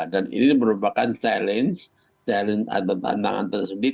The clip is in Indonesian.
dan ini merupakan challenge atau tantangan tersendiri